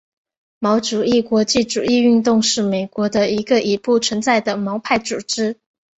毛主义国际主义运动是美国的一个已不存在的毛派组织。